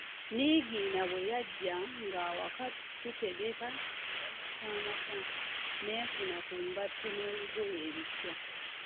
Niigiina bwe yajja ng’awaka tutegeka ne wamasamasa, ne nfuna ku ngatto n’olugoye ebipya.